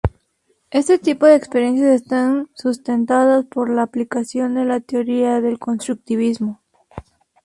Este tipo de experiencias están sustentadas por la aplicación de la teoría del constructivismo.